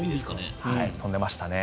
飛んでましたね。